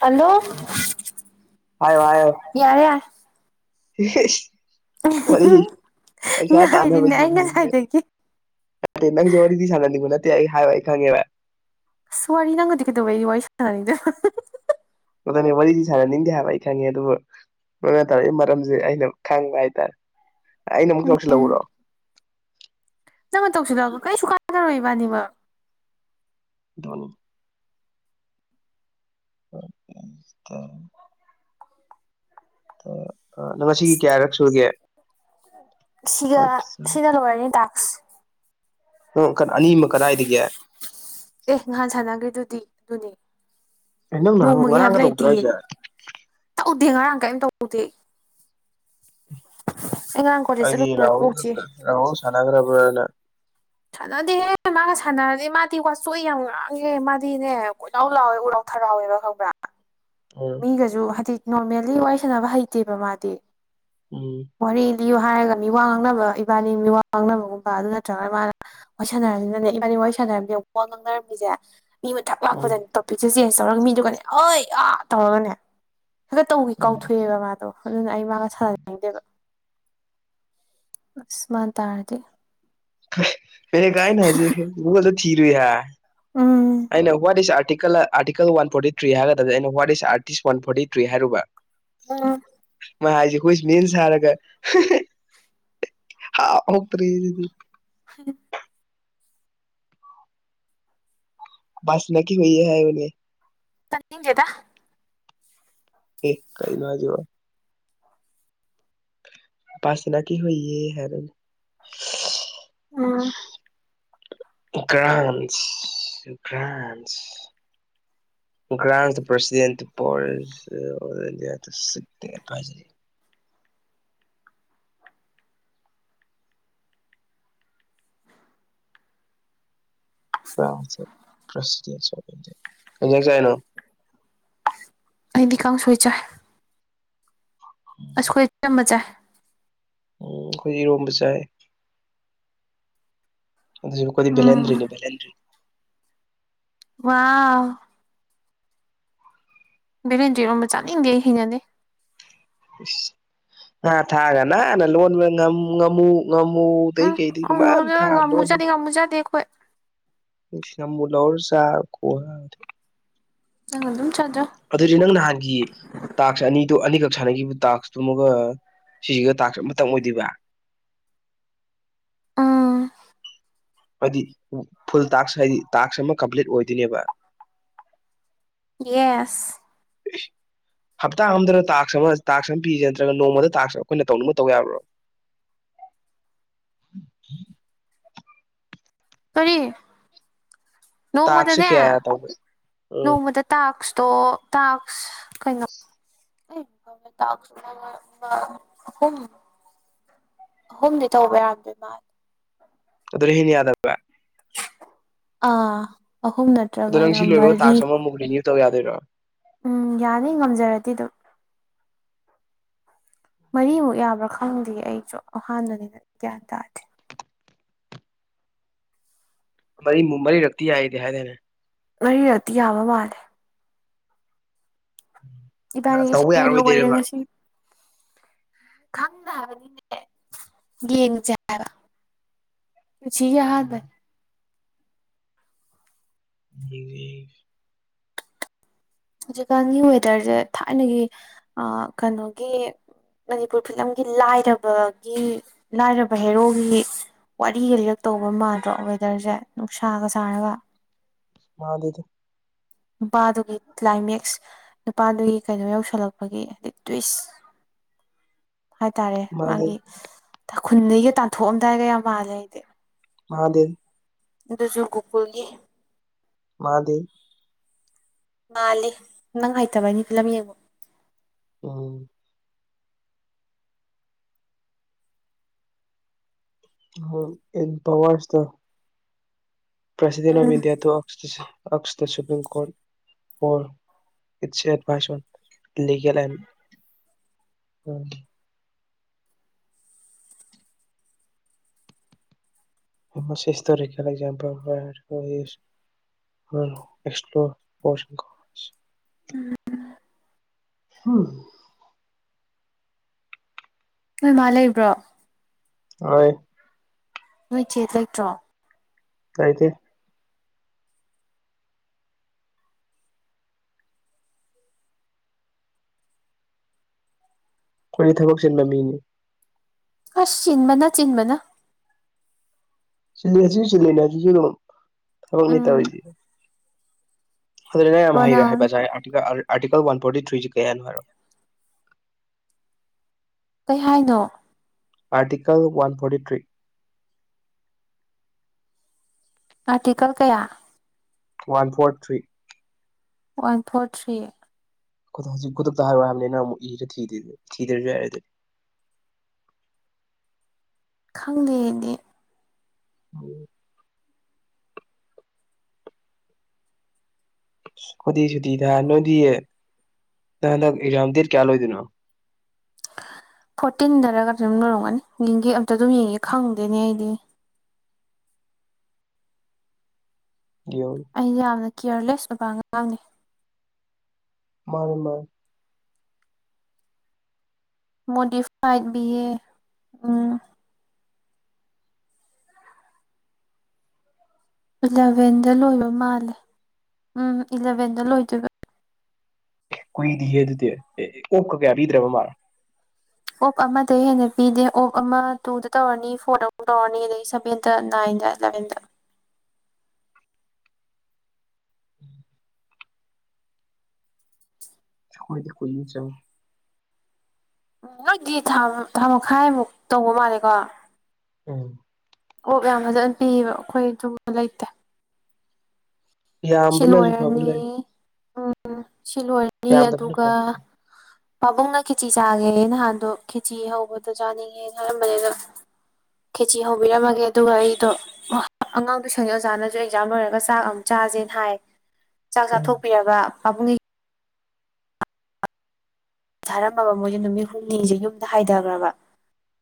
hello ꯌꯥꯔꯦ ꯌꯔꯦ ꯍꯦ ꯍꯦ ꯋꯥꯔꯤ ꯄꯩꯁꯥ ꯉꯥꯏꯔꯤꯅꯦ ꯇꯥꯟꯅꯕꯒꯤ ꯑꯩ ꯉꯁꯥꯏꯗꯒꯤ ꯅꯠꯇꯦ ꯅꯪꯖꯦ ꯋꯥꯔꯤꯗꯤ ꯁꯥꯟꯅꯅꯤꯡꯕ ꯅꯠꯇꯦ ꯑꯩ ꯍꯥꯏꯕ ꯑꯩ ꯈꯪꯉꯦꯕ ꯑꯁ ꯋꯥꯔꯤ ꯅꯪꯒꯗꯤ ꯀꯩꯗꯧꯕꯒꯤ ꯋꯥꯔꯤ ꯁꯥꯟꯅꯅꯤꯡꯗꯣꯕ ꯍꯥ ꯍꯥ ꯍꯥ ꯑꯗꯨꯗꯅꯤ ꯋꯥꯔꯤꯗꯤ ꯁꯥꯟꯅꯅꯤꯡꯗꯦ ꯍꯥꯏꯕ ꯑꯩ ꯈꯪꯉꯦ ꯑꯗꯨꯕꯨ ꯅꯣꯏꯅ ꯇꯧꯔꯛꯏ ꯃꯔꯝꯁꯦ ꯑꯩꯅ ꯈꯪꯕ ꯍꯥꯏꯇꯥꯔꯦ ꯑꯩꯅ ꯑꯃꯨꯛ ꯇꯧꯁꯜꯂꯛꯎꯔꯣ ꯅꯪꯅ ꯇꯧꯁꯤꯗ ꯀꯩꯁꯨ ꯀꯥꯟꯅꯔꯣꯏ ꯏꯕꯥꯟꯅꯤꯃꯛ [unintelligible] [unintelligible] ꯉꯁꯤꯒꯤ ꯀꯌꯥꯔꯛ ꯁꯨꯔꯒꯦ ꯁꯤꯒ ꯁꯤꯅ ꯂꯣꯏꯔꯅꯤ ꯇꯥꯛ ꯅꯪ ꯑꯅꯤꯃ ꯀꯗꯥꯏꯗꯒꯤ ꯑꯦ ꯉꯍꯥꯟ ꯁꯥꯟꯅꯒꯤꯗꯨꯗꯤ ꯑꯗꯨꯅꯦ ꯅꯪ ꯅꯍꯥꯟ ꯅꯣꯡꯃꯒꯤ ꯉꯔꯥꯡꯒ ꯍꯥꯏꯕ ꯇꯧꯗ꯭ꯔꯣ ꯂꯩꯇꯤꯌꯦ ꯍꯥꯏꯁꯦ ꯊꯦꯡ ꯉꯔꯥꯡ ꯀꯩꯝ ꯇꯧꯗꯦ ꯉꯔꯥꯡ ꯀꯣꯂꯦꯖ ꯑꯩꯗꯤ ꯆꯠꯂꯨꯕ ꯔꯍꯨꯜ ꯀꯣꯛ ꯀ ꯆꯤꯛꯑꯦ ꯔꯍꯨꯜ ꯁꯅꯥꯒ꯭ꯔꯕꯔꯅ ꯁꯥꯟꯅꯗꯦꯍꯦ ꯃꯥꯒ ꯁꯥꯟꯅꯔꯗꯤ ꯃꯥꯗꯤ ꯋꯥꯆꯣꯏ ꯌꯥꯝ ꯉꯥꯡꯉꯦ ꯃꯥꯗꯤꯅꯦ ꯀꯣꯏꯂꯥꯎ ꯂꯥꯎꯋꯦ ꯎꯔꯥꯎ ꯍꯔꯥꯎꯋꯦꯕ ꯈꯪꯕ꯭ꯔꯥ ꯎꯝ ꯃꯤꯒꯁꯨ ꯍꯥꯏꯗꯤ ꯅꯣꯔꯃꯦꯜꯂꯤ ꯋꯥꯔꯤ ꯁꯅꯕ ꯍꯩꯇꯦꯕ ꯃꯥꯗꯤ ꯎꯝ ꯄꯤꯌꯨ ꯍꯥꯏꯔꯒ ꯃꯤ ꯋꯥ ꯉꯥꯡꯅꯕ ꯏꯕꯥꯟꯅꯤ ꯃꯤ ꯋꯥ ꯉꯥꯡꯅꯕꯒꯨꯝꯕ ꯑꯗꯨ ꯅꯠꯇ꯭ꯔꯒꯅ ꯃꯥꯅ ꯋꯥꯔꯤ ꯁꯥꯟꯅꯔꯕꯅꯤꯅꯅꯦ ꯏꯕꯥꯟꯅꯤ ꯋꯥꯔꯤ ꯁꯥꯟꯅꯔꯝꯃꯤ ꯋꯥ ꯉꯥꯡꯅꯔꯛꯄꯁꯦ ꯃꯤ ꯃꯊꯛ ꯎꯝ ꯂꯥꯛꯄꯗ ꯇꯣꯄꯤꯛꯁꯦ ꯆꯦꯟꯖ ꯇꯧꯔꯒ ꯃꯤꯗꯨꯒꯅꯦ ꯍꯣꯏ ꯑꯥ ꯇꯧꯔꯒꯅꯦ ꯍꯟꯗꯛ ꯇꯧꯏ ꯎꯝ ꯀꯥꯎꯊꯣꯛꯑꯦꯕ ꯃꯥꯗꯣ ꯑꯗꯨꯅ ꯑꯩ ꯃꯥꯒ ꯁꯥꯥꯟꯅꯅꯤꯡꯗꯦꯕ ꯑꯁ ꯃꯥꯟꯅ ꯇꯥꯔꯗꯤ ꯃꯦꯅꯦꯀꯥ ꯑꯩꯅ ꯍꯧꯖꯤꯛ ꯒꯨꯒꯥꯜꯗ ꯊꯤꯔꯨꯏ ꯍꯥ um what is article article one forty three ꯍꯥꯏꯒꯗꯕꯁꯦ ꯑꯩꯅ what is article one forty three ꯍꯥꯏꯔꯨꯕ ꯑꯥ ꯃꯥ ꯍꯥꯏꯁꯦ ꯍꯨꯏꯖꯦ ꯍꯨꯏꯁ ꯃꯤꯟꯁ ꯍꯥꯏꯔꯒ ꯍꯥ ꯍꯥ ꯍꯥꯎꯇ꯭ꯔꯦ ꯁꯤꯗꯤ [unintelligible] ꯕꯁ ꯃꯦꯀꯤꯡ ꯂꯩꯌꯦ ꯍꯥꯏꯕꯅꯦ ꯇꯥꯅꯤꯡꯗꯦꯗ ꯑꯦ ꯀꯩꯅꯣ ꯍꯣꯏꯖꯤꯕꯣ ꯄꯥꯁꯅꯥꯀꯤ ꯍꯨꯏꯌꯦ ꯍꯥꯏꯕꯅꯦ ꯎꯝ ꯒ꯭ꯔꯥꯟꯁ ꯒ꯭ꯔꯥꯟꯁ [inaudible] [unintelligible] ꯀꯩ ꯍꯦꯟꯖꯥꯡ ꯆꯥꯏꯅꯣ ꯑꯩꯗꯤ ꯀꯥꯡꯁꯣꯏ ꯆꯥꯏ ꯑꯁ ꯑꯩꯈꯣꯏ ꯑꯆꯝꯕ ꯆꯥꯏ ꯎꯝ ꯑꯩꯈꯣꯏ ꯏꯔꯣꯝꯕ ꯆꯥꯏ ꯑꯗꯨꯁꯨ ꯑꯩꯈꯣꯏꯗꯤ ꯎꯝ ꯕꯦꯂꯦꯟꯗ꯭ꯔꯤꯅꯤ ꯕꯦꯂꯦꯟꯗ꯭ꯔꯤ ꯋꯥꯎ ꯕꯦꯂꯦꯟꯗ꯭ꯔꯤ ꯏꯔꯣꯟꯕ ꯆꯥꯅꯤꯡꯗꯦ ꯑꯩ ꯍꯩꯅꯗꯦ ꯥ ꯏꯁ ꯉꯥ ꯊꯥꯛꯒ ꯅꯥꯟꯅ ꯂꯣꯟꯕ ꯉꯥꯃꯨ ꯉꯥꯃꯨ ꯉꯥꯃꯨꯗꯩ ꯎꯝ ꯀꯩꯗꯤ ꯃꯌꯥꯝ ꯊꯥꯛꯑ ꯂꯣꯟꯕꯅꯦ ꯍꯣꯏ ꯏꯁ ꯉꯥꯃꯨ ꯂꯧꯔ ꯆꯥꯕ ꯈꯨꯍꯥꯎꯁꯤꯗꯤ ꯅꯪ ꯑꯗꯨꯝ ꯆꯥꯗ꯭ꯔꯣ ꯑꯗꯨꯗꯤ ꯅꯪ ꯅꯍꯥꯟꯒꯤ ꯇꯥꯛꯁ ꯑꯅꯤꯗꯣ ꯑꯅꯤꯈꯛ ꯁꯥꯟꯅꯈꯤꯕ ꯇꯥꯛꯁꯇꯨꯃꯒ ꯁꯤꯁꯤꯒ ꯇꯥꯛꯁ ꯑꯃꯇꯪ ꯑꯣꯏꯗꯣꯏꯕ ꯎꯝ ꯍꯥꯏꯗꯤ ꯐꯨꯜ ꯇꯥꯛꯁ ꯍꯥꯏꯗꯤ ꯇꯥꯛꯁ ꯑꯃ ꯀꯝꯄ꯭ꯂꯤꯠ ꯑꯣꯏꯗꯨꯏꯅꯦꯕ ꯌꯦꯁ ꯍꯞꯇꯥ ꯑꯃꯗꯔ ꯇꯥꯛꯁ ꯑꯃ ꯇꯥꯛꯁ ꯑꯃ ꯄꯤꯔꯤꯁꯦ ꯅꯠꯇ꯭ꯔꯒ ꯅꯣꯡꯃꯗ ꯇꯥꯛꯁ ꯑꯩꯈꯣꯏꯅ ꯇꯧꯅꯤꯡꯕ ꯇꯧꯕ ꯌꯥꯕ꯭ꯔꯣ [inaudible] [inaudible] ꯀꯔꯤ ꯇꯥꯛꯁꯦ ꯅꯣꯡꯃꯗꯅꯦ ꯀꯌꯥ ꯇꯧꯕ ꯎꯝ ꯅꯣꯡꯃꯗ ꯇꯥꯛꯁ ꯇꯣ ꯇꯥꯛꯁ ꯀꯩꯅꯣ [unintelligible] ꯑꯍꯨꯝ ꯑꯍꯨꯝꯗꯤ ꯇꯧꯕ ꯌꯥꯔꯝꯗꯨꯏ ꯃꯥꯂꯦ ꯑꯗꯨꯗꯩ ꯍꯦꯟꯅ ꯌꯥꯗꯕ꯭ꯔꯥ ꯑꯥ ꯑꯍꯨꯝ ꯑꯗꯣ ꯅꯪ ꯅꯠꯇ꯭ꯔꯒꯅ ꯁꯤ ꯂꯣꯏꯕ ꯃꯔꯤ ꯇꯥꯛꯁ ꯑꯃꯃꯨꯛ ꯔꯤꯅ꯭ꯌꯨ ꯇꯧ ꯌꯥꯗꯨꯏꯔꯣ ꯎꯝ ꯌꯥꯅꯤ ꯉꯝꯖꯔꯗꯤ ꯑꯗꯨꯝ ꯃꯔꯤꯃꯨꯛ ꯌꯥꯕ꯭ꯔꯥ ꯈꯪꯗꯦ ꯑꯩꯁꯨ ꯑꯍꯥꯟꯕꯅꯤꯅ ꯒ꯭ꯌꯥꯟ ꯇꯥꯗꯦ ꯃꯔꯤꯃꯨꯛ ꯃꯔꯤꯔꯛꯇꯤ ꯌꯥꯏꯌꯦꯗꯤ ꯍꯥꯏꯗꯥꯏꯅꯦ ꯃꯔꯤꯔꯛꯇꯤ ꯌꯥꯕ ꯃꯥꯜꯂꯦ ꯏꯕꯥꯏꯅꯤꯒꯤ ꯇꯧꯕ ꯁꯤꯅ ꯂꯣꯏꯔꯦ ꯌꯥꯔꯣꯏꯗꯣꯏꯔꯕ ꯉꯁꯤꯒꯤ ꯈꯪꯗꯦ ꯍꯥꯏꯕꯅꯤꯅꯦ ꯌꯦꯡꯖꯦ ꯍꯥꯏꯕ ꯄꯨꯟꯁꯤꯒꯤ ꯑꯍꯥꯟꯕꯅꯦ [unintelligible] ꯍꯧꯖꯤꯛꯀꯥꯟꯒꯤ ꯋꯦꯗ꯭ꯔꯖꯦ ꯊꯥꯏꯅꯒꯤ ꯑꯥ ꯀꯅꯣꯒꯤ ꯃꯅꯤꯄꯨꯔ ꯐꯤꯂꯝꯒꯤ ꯂꯥꯏꯔꯕꯒꯤ ꯂꯥꯏꯔꯕ ꯍꯦꯔꯣꯒꯤ ꯋꯥꯔꯤꯒ ꯂꯤꯔꯛꯇ ꯇꯧꯕ ꯃꯥꯟꯗ꯭ꯔꯣ ꯋꯦꯗꯔꯁꯦ ꯅꯨꯡꯁꯥꯒ ꯁꯥꯔꯒ ꯃꯥꯟꯗꯦꯗ ꯅꯨꯄꯥꯗꯨꯒꯤ ꯀ꯭ꯂꯥꯏꯃꯦꯛꯁ ꯅꯨꯄꯥꯗꯨꯒꯤ ꯀꯩꯅꯣ ꯌꯧꯁꯜꯂꯛꯄꯒꯤ ꯍꯥꯏꯗꯤ ꯇ꯭ꯨꯋꯤꯁ [inaudible] ꯍꯥꯏꯇꯥꯔꯦ ꯃꯥꯒꯤ ꯃꯥꯗꯦ ꯈꯨꯟꯗꯒꯤꯒ ꯇꯥꯟꯊꯣꯛ ꯑꯝꯗꯥꯏꯒ ꯌꯥꯝ ꯃꯥꯜꯂꯦ ꯑꯩꯗꯤ ꯃꯥꯟꯗꯦ ꯑꯗꯨꯁꯨ ꯒꯣꯀꯨꯜꯒꯤ ꯃꯥꯟꯗꯦꯍꯦ ꯃꯥꯂꯦ ꯅꯪ ꯍꯩꯇꯕꯒꯤꯅꯤ ꯐꯤꯂꯝ ꯌꯦꯡꯕ ꯎꯝ ꯍꯣꯏ ꯏꯝꯄꯥꯎꯋꯔꯁꯇꯣ president of um India to ꯑꯛꯁꯇ ꯁꯨꯄ꯭ꯔꯤꯝ ꯀꯣꯔꯠ [unintelligible] ꯎꯝ [unintelligible] ꯑꯦꯁꯄ꯭ꯂꯣꯔ [unintelligible] ꯍꯝ ꯅꯣꯏ ꯃꯥꯥ ꯂꯩꯕ꯭ꯔꯣ ꯍꯣꯏ ꯅꯣꯏ ꯆꯦ ꯂꯩꯇ꯭ꯔꯣ ꯂꯩꯇꯦ ꯑꯩꯈꯣꯏꯒꯤ ꯊꯕꯛ ꯆꯤꯟꯕ ꯃꯤꯅꯤ ꯑꯁ ꯆꯤꯟꯕꯅ ꯆꯤꯟꯕꯅ ꯁꯤꯁꯤꯁꯨ ꯁꯤ ꯂꯩꯅ ꯍꯥꯏꯁꯤꯁꯨ ꯊꯕꯛ ꯅꯦ ꯎꯝ ꯇꯧꯏꯁꯦ ꯑꯗꯨ ꯌꯥꯝ ꯍꯩꯔꯦ ꯔꯣꯅꯥꯜ ꯍꯥꯏꯕ ꯑꯔꯇꯤꯀꯜ ꯑꯥꯔꯇꯤꯀꯜ ꯋꯥꯟ ꯐꯣꯔꯇꯤ ꯊ꯭ꯔꯤꯁꯤ ꯀꯩ ꯍꯥꯏꯅꯣ ꯍꯥꯏꯔꯛꯑꯣ ꯀꯩ ꯍꯥꯏꯅꯣ article one forty three article ꯀꯌꯥ one four three one four three ꯍꯧꯖꯤꯛ ꯈꯨꯗꯛꯇ ꯍꯥꯏꯔꯛꯑꯣ ꯍꯥꯏꯕꯅꯤ ꯑꯃꯨꯛ ꯏꯔ ꯊꯤꯗ꯭ꯔꯁꯨ ꯌꯥꯔꯦ ꯑꯗꯨꯗꯤ [inaudible] ꯈꯪꯗꯦꯅꯦ [unintelligible] ꯑꯩꯈꯣꯏꯗꯤ ꯁꯨꯇꯤ ꯊꯥꯏ ꯅꯣꯏꯗꯤ ꯅꯪ ꯍꯟꯗꯛ ꯑꯦꯛꯖꯥꯝ ꯗꯦꯛ ꯀꯌꯥ ꯂꯣꯏꯗꯣꯏꯅꯣ [inaudible] ꯐꯣꯔꯇꯤꯟꯗꯔꯒ ꯑꯗꯨꯝ ꯂꯣꯏꯔꯝꯒꯅꯤ ꯌꯦꯡꯒꯦ ꯑꯝꯇ ꯑꯗꯨꯝ ꯌꯦꯡꯉꯦ ꯈꯪꯗꯦꯅꯦ ꯑꯩꯗꯤ ꯌꯦꯡꯉꯣ ꯑꯩ ꯌꯥꯝꯅ ꯀꯤꯌꯔꯂꯦꯁ ꯑꯣꯏꯕ ꯑꯉꯥꯡꯅꯤ ꯃꯥꯅꯦ ꯃꯥꯅꯦ ꯃꯣꯗꯤꯐꯥꯏꯠ ꯕꯤꯑꯦ ꯎꯝ ꯏꯂꯚꯦꯟꯗ ꯂꯣꯏꯕ ꯃꯥꯜꯂꯦ ꯎꯝ ꯏꯂꯚꯦꯟꯗ ꯂꯣꯏꯗꯣꯏꯕ ꯀꯨꯏꯗꯦꯍꯦ ꯑꯗꯨꯗꯤ ꯑꯣꯐ ꯀ ꯀꯌꯥ ꯄꯤꯗ꯭ꯔꯕ ꯃꯥꯜꯂꯦ ꯑꯣꯞ ꯑꯃꯗꯩ ꯍꯦꯟꯅ ꯄꯤꯗꯦ ꯑꯣꯐ ꯑꯃ ꯇꯨꯗ ꯇꯧꯔꯅꯤ ꯐꯣꯔꯗ ꯑꯃꯨꯛ ꯇꯧꯔꯅꯤ ꯑꯗꯩ ꯁꯚꯦꯟꯗ ꯅꯥꯏꯟ [unintelligible] [inaudible] ꯑꯈꯣꯏꯗꯤ ꯀꯨꯞꯃꯨꯛ ꯆꯪꯉꯦ ꯎꯝ ꯅꯣꯏꯗꯤ ꯊꯥ ꯊꯥ ꯃꯈꯥꯏꯃꯨꯛ ꯇꯧꯕ ꯃꯥꯜꯂꯦꯀꯣ ꯎꯝ ꯑꯣꯕ ꯌꯥꯝ ꯐꯖꯅ ꯄꯤꯌꯦꯕ ꯑꯩꯈꯣꯏ ꯑꯗꯨꯝꯕ ꯂꯩꯇꯦ ꯁꯤ ꯌꯥꯝꯕꯅꯁꯨ ꯐꯕ ꯂꯣꯏꯔꯅꯤ ꯂꯩ ꯎꯝ ꯁꯤ ꯂꯣꯏꯔꯅꯤ ꯌꯥꯝꯗꯕꯅ ꯑꯗꯨꯒ ꯐꯕ ꯂꯩ ꯄꯥꯕꯨꯡꯅ ꯈꯦꯆꯤ ꯆꯥꯒꯦ ꯅꯍꯥꯟꯗꯣ ꯈꯦꯆꯤ ꯍꯧꯕꯗꯣ ꯆꯥꯅꯤꯡꯉꯦꯅ ꯍꯥꯏꯔꯝꯕꯅꯦ ꯗꯣ ꯈꯦꯆꯤ ꯍꯧꯕꯤꯔꯝꯃꯒꯦ ꯑꯗꯨꯒ ꯑꯩꯗꯣ ꯑꯉꯥꯡ ꯇꯨꯏꯁꯟ ꯑꯣꯖꯥꯅꯁꯨ ꯑꯦꯛꯖꯥꯝ ꯂꯣꯏꯔꯒ ꯆꯥꯛ ꯑꯃꯨꯛ ꯆꯥꯁꯦ ꯍꯥꯏ ꯆꯥꯛ ꯎꯝ ꯆꯥꯊꯣꯛꯄꯤꯔꯕ ꯄꯥꯕꯨꯡꯒꯤ ꯊꯥꯔꯝꯃꯕ ꯃꯣꯏꯖꯦ ꯅꯨꯃꯤꯠ ꯍꯨꯝꯅꯤꯁꯦ ꯌꯨꯝꯗ ꯍꯥꯏꯊꯈ꯭ꯔꯕ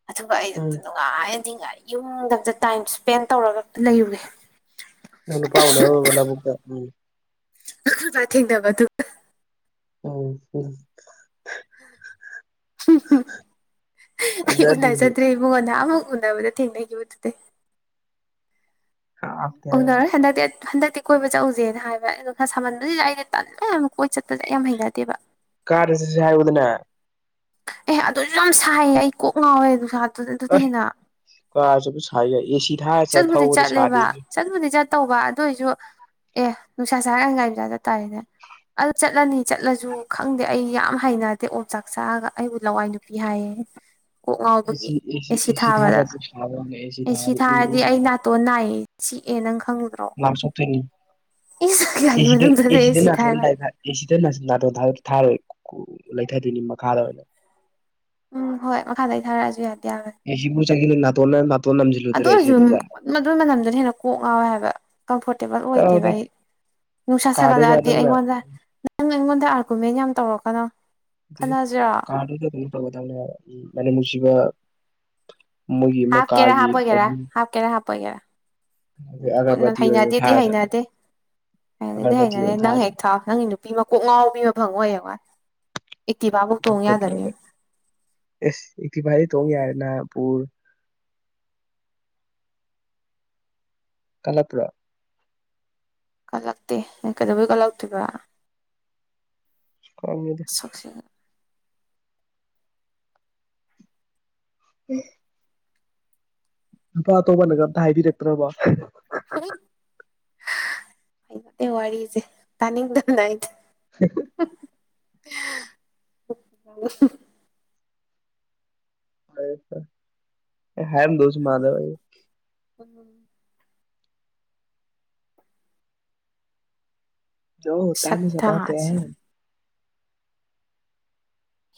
ꯑꯗꯨꯒ ꯎꯝ ꯑꯩꯩꯗꯣ ꯅꯨꯡꯉꯥꯏ ꯗꯤꯡꯒꯔꯒꯤ ꯃꯑꯣꯡꯗ ꯑꯝꯇ ꯇꯥꯏꯝ ꯁ꯭ꯄꯦꯟ ꯇꯧꯔꯒ ꯑꯝꯇ ꯂꯩꯔꯨꯒꯦ ꯅꯪ ꯅꯨꯄꯥ ꯎꯅꯔꯨꯔꯕ ꯂꯧꯕꯨꯛꯇ ꯎꯝ ꯊꯦꯡꯗꯕꯗꯨ ꯎꯝ ꯎꯝ ꯑꯩ ꯐꯖꯅꯤꯍꯦ ꯎꯅꯖꯗ꯭ꯔꯦ ꯏꯕꯨꯡꯉꯣ ꯅꯍꯥꯟꯃꯨꯛ ꯎꯅꯕꯗꯨꯗ ꯊꯦꯡꯅꯈꯤꯕꯗꯨꯗꯩꯩ ꯎꯅꯔ ꯍꯟꯅꯗꯛ ꯗꯦꯠ ꯍꯟꯗꯛꯇꯤ ꯀꯣꯏꯕ ꯆꯧꯁꯦꯅ ꯍꯥꯏꯕ ꯑꯩꯗꯣ ꯁꯥꯃꯟꯕꯁꯤꯗ ꯑꯩꯗꯤ ꯇꯟꯕ ꯌꯥꯝ ꯀꯣꯏ ꯆꯠꯄꯁꯦ ꯑꯩꯌꯥꯝ ꯍꯩꯅꯗꯦꯕ ꯀꯥꯔꯗ ꯆꯠꯁꯦ ꯍꯥꯏꯌꯨꯗꯅ ꯑꯦ ꯑꯗꯨꯑꯣꯏꯁꯨ ꯌꯥꯝ ꯁꯥꯏꯌꯦ ꯑꯩ ꯀꯣꯛ ꯉꯥꯎꯋꯦ ꯅꯨꯡꯁꯥ ꯗꯨ ꯗꯨꯗ ꯑꯦ ꯍꯦꯟꯅ ꯀꯥꯔ ꯆꯠꯄ ꯁꯥ ꯌꯥꯏ ꯑꯦꯁꯤ ꯊꯥꯔ ꯆꯠ ꯆꯠꯄꯨꯗꯤ ꯊꯧꯕꯗꯣ ꯆꯠꯂꯦꯕ ꯁꯥꯗꯦꯃꯤ ꯆꯠꯄꯨꯗꯤ ꯆꯠꯇꯧꯕ ꯑꯗꯨ ꯑꯣꯏꯖꯨ ꯑꯦ ꯅꯨꯡꯁꯥ ꯁꯥꯔꯥ ꯒꯥꯔꯤ ꯃꯆꯥ ꯆꯠ ꯇꯥꯔꯦꯅꯦ ꯑ ꯆꯠꯂꯅꯤ ꯆꯠꯂꯁꯨ ꯈꯪꯗꯦ ꯑꯩ ꯌꯥꯝ ꯍꯩꯅꯗꯦ ꯑꯣꯝꯆꯥꯛ ꯆꯥꯛꯑꯒ ꯑꯩꯕꯨ ꯂꯋꯥꯏ ꯅꯨꯄꯤ ꯍꯥꯏꯌꯦ [unintelligible] ꯉꯥꯎꯕꯒꯤ ꯑꯦꯁꯤ ꯑꯦꯁꯤ ꯑꯦꯁꯤ ꯊꯥꯕꯗ ꯊꯥꯗꯔꯁꯨ ꯁꯥꯏꯌꯦꯅꯦ ꯑꯦꯁꯤ ꯊꯥꯔꯗꯤ ꯏꯪ ꯊꯥꯔꯗꯤ ꯏꯪ ꯑꯩ ꯅꯥꯇꯣꯟ ꯅꯥꯏꯌꯦ ꯆꯤꯛꯑꯦ ꯅꯪ ꯈꯪꯗ꯭ꯔꯣ ꯅꯥꯝ ꯁꯣꯛꯇꯣꯏꯅꯤ ꯏꯁ ꯒꯥꯔꯤ ꯑꯦꯁꯤꯗ ꯃꯅꯨꯡꯗꯁꯨ ꯑꯦꯁꯤꯗ ꯑꯦꯁꯤ ꯅꯥꯇꯣꯟ ꯊꯥꯏꯕ ꯅꯥꯏ ꯑꯦꯁꯤꯗ ꯅꯇꯣꯟ ꯊꯥꯔꯣꯏ ꯂꯩꯊꯗꯣꯏꯅꯤ ꯃꯈꯥꯗ ꯑꯣꯏꯅ ꯎꯝ ꯍꯣꯏ ꯃꯈꯥꯗꯩ ꯊꯥꯔꯛꯑꯁꯨ ꯌꯥꯏ ꯑꯦꯁꯤꯕꯨ ꯆꯪ ꯅꯥꯇꯣꯟ ꯅꯞ ꯑꯗꯨꯑꯣꯏꯔꯁꯨ ꯑꯗꯨꯒꯤ ꯃꯅꯝꯗꯨꯅ ꯍꯦꯟꯅ ꯀꯣꯛ ꯉꯥꯎꯋꯦ ꯍꯥꯏꯕ ꯀꯝꯐꯣꯔꯇꯦꯕꯜ ꯑꯣꯏꯗꯦꯕ ꯆꯠꯂꯣꯗ ꯑꯩ ꯅꯨꯡꯁꯥ ꯀꯥꯔꯗꯨꯗ ꯁꯥꯒꯠꯂꯛꯑꯗꯤ ꯅꯪꯅ ꯑꯩꯉꯣꯟꯗ ꯅꯪ ꯑꯩꯉꯣꯟꯗ ꯑꯥꯔꯒꯨꯃꯦꯟ ꯌꯥꯝ ꯇꯧꯔꯛꯀꯅꯣ ꯗꯦ ꯈꯟꯅꯁꯤꯔꯣ ꯀꯥꯔꯗꯨꯗ ꯑꯗꯨꯝ ꯇꯧꯒꯗꯕꯅꯦꯕ ꯃꯅꯝ ꯅꯨꯁꯤꯕ ꯍꯥꯞꯀꯦꯔꯥ ꯍꯥꯞꯄꯣꯏꯒꯦꯔꯥ ꯍꯥꯞꯀꯦꯔꯥꯥ ꯍꯥꯞꯄꯣꯏꯒꯦꯔꯥ ꯑꯒꯔꯕꯇꯤ ꯑꯣꯏꯅ ꯍꯩꯅꯗꯦꯗꯤ ꯊꯥꯔ ꯆꯠꯂꯣ ꯍꯩꯅꯗꯦ ꯍꯩꯅꯗꯦ ꯑꯒꯔꯕꯇꯤ ꯍꯩꯅꯗꯦ ꯑꯣꯏꯅ ꯊꯥꯔ ꯅꯪ ꯍꯦꯛ ꯆꯠꯂꯣ ꯊꯥꯎ ꯅꯪꯒꯤ ꯅꯨꯄꯤ ꯃꯀꯣꯛ ꯉꯥꯎꯕꯤ ꯑꯃꯥ ꯐꯪꯉꯣ ꯍꯌꯦꯡ ꯋꯥꯥꯏ ꯗꯞꯀꯇꯧꯒ ꯑꯁ ꯑꯦꯇꯤꯚꯥꯗꯤ ꯊꯣꯡ ꯌꯥꯔꯦ ꯅꯥꯕ ꯄꯨ [unintelligible] ꯀꯂꯛꯄ꯭ꯔꯥ ꯀꯠꯂꯛꯇꯦ ꯀꯩꯗꯧꯕꯩ ꯀꯜꯂꯛꯇꯣꯏꯕ ꯈꯪꯉꯦꯗꯥ ꯏꯁ ꯅꯨꯄꯥ ꯑꯇꯣꯞꯄꯅꯒ ꯑꯝꯇ ꯍꯥꯏꯕꯤꯔꯛꯇ꯭ꯔꯕꯣ ꯋꯥꯔꯤꯁꯦ ꯇꯥꯅꯤꯡꯗꯕꯅ ꯑꯩꯗꯤ [unintelligible] [unintelligible] ꯐꯥꯔꯦ ꯐꯥꯔꯦ ꯑꯩ ꯍꯥꯏꯔꯝꯗꯣꯏꯁꯨ ꯃꯥꯟꯗꯕ ꯑꯩ ꯎꯝ ꯁꯛ ꯊꯥꯁꯦ [unintelligible]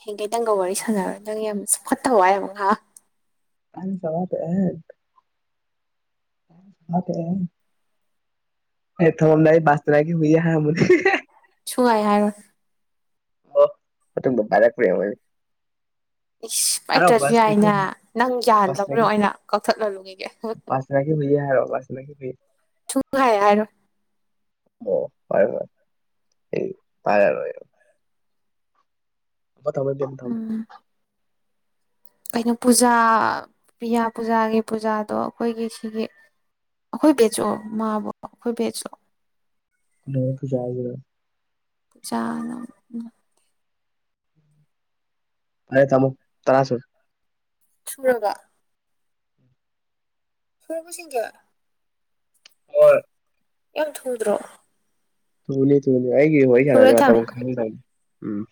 ꯍꯌꯦꯒꯩ ꯅꯪꯒ ꯋꯥꯔꯤ ꯁꯥꯟꯅꯔꯔꯣꯏ ꯅꯪ ꯌꯥꯝ ꯆꯥꯎꯈꯠꯇꯕ ꯋꯥ ꯌꯥꯝ ꯉꯥꯡꯉꯦ [unintelligible] [unintelligible] ꯍꯦꯛ ꯇꯧꯔꯥꯝꯗꯥꯏ ꯕꯥꯁꯇꯔ ꯃꯤ ꯍꯥꯏꯔꯝ ꯁꯨꯍꯥꯏ ꯍꯥꯏꯔꯣꯏ ꯑꯣ ꯃꯊꯪꯗ ꯄꯥꯔꯛꯄ꯭ꯔ ꯌꯦꯡꯉꯨ ꯑꯩꯅ ꯏꯁ ꯄꯥꯏꯔꯛꯇ꯭ꯔꯁꯨ ꯌꯥꯏꯅꯥ ꯍꯨꯏ ꯅꯪ ꯌꯥꯍꯟꯗꯕ꯭ꯔꯥ ꯕꯥꯁꯇꯅꯥꯒꯤ ꯌꯦꯡꯉꯨ ꯑꯩꯅ ꯀꯛꯊꯠꯍꯜꯂꯨꯒꯤꯒꯦ ꯕꯥꯁꯇꯅꯥꯒꯤ [unintelligible] ꯁꯨꯡꯍꯥꯏ ꯍꯥꯏꯔꯣꯏ ꯑꯣ ꯐꯥꯔꯦ ꯐꯥꯔꯦ ꯑꯩ ꯄꯥꯏꯔꯔꯣꯏꯕ ꯎꯝ [unintelligible] ꯀꯩꯅꯣ ꯄꯨꯖꯥ ꯄꯤꯌꯥ ꯄꯨꯖꯥꯒꯤ ꯄꯨꯖꯥꯗꯣ ꯑꯩꯈꯣꯏꯒꯤ ꯁꯤꯒꯤ ꯑꯩꯈꯣꯏ ꯕꯦꯆꯔꯣ ꯃꯥꯕꯨ ꯑꯩꯈꯣꯏ ꯕꯦꯆꯔꯣ [unintelligible] [unintelligible] ꯐꯥꯔꯦ ꯊꯝꯃꯨ ꯇꯔꯥ ꯁꯨꯔꯦ ꯁꯨꯔꯕꯣ [unintelligible] ꯍꯣꯏ ꯌꯥꯝ ꯊꯨꯗꯔꯣ ꯊꯨꯅꯤ ꯊꯨꯅꯤ ꯑꯩꯒꯤ ꯋꯥꯔꯤ ꯁꯥꯟꯅꯔꯗꯤ ꯊꯝꯃꯦ ꯃꯇꯝ ꯈꯪꯗꯕꯅꯤ ꯎꯝ